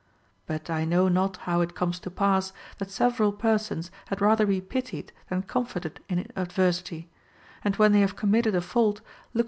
But I know not how it comes to pass, that several persons had rather be pitied than comforted in adversity ; and when they have committed a fault, look FROM A FRIEND.